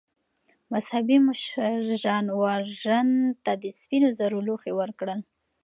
مذهبي مشر ژان والژان ته د سپینو زرو لوښي ورکړل.